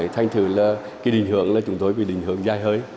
thành thử là cái định hưởng là chúng tôi bị định hưởng dai hơi